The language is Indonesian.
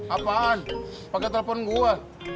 apaan pakai telpon gue